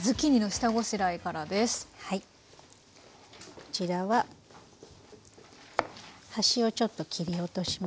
こちらは端をちょっと切り落としまして。